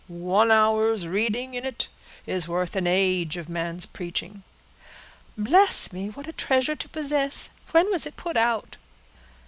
One hour's reading in it is worth an age of man's preaching." "Bless me, what a treasure to possess! When was it put out?"